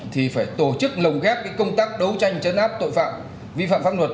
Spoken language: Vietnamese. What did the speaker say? thì phải tổ chức lồng ghép công tác đấu tranh chấn áp tội phạm vi phạm pháp luật